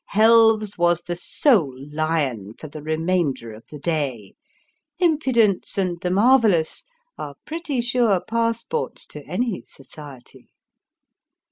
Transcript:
Helves was the sole lion for the remainder of the day impudence and the marvellous are pretty sure passports to any society.